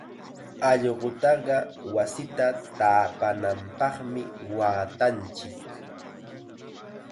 Allqutaqa wasita taapananpaqmi waatanchik.